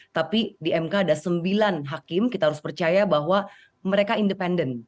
tapi di mk ada sembilan hakim kita harus percaya bahwa mereka independen